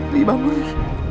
ri bangun ri